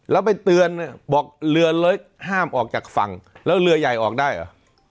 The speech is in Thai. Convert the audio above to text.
แล้วไปเตือนบอกเรือเล็กห้ามออกจากฝั่งแล้วเรือใหญ่ออกได้เหรอ